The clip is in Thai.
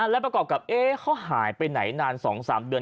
และประกอบกับเขาหายไปไหนนาน๒๓เดือน